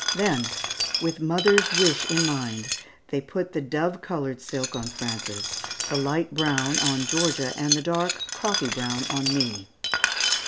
Then, with mother's wish in mind, they put the dove colored silk on Frances, the light brown on Georgia, and the dark coffee brown on me.